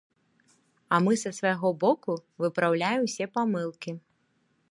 А мы са свайго боку выпраўляем усе памылкі.